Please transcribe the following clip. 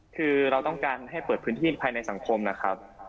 คือเราต้องการให้เปิดพื้นที่ภายในสังคมนะครับ